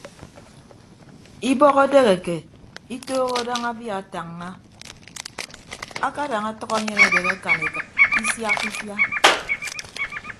Ibọk edeheke itooho daña abia atañña akadañ atʌk enyen adehe akan ekịt isiakka ifia.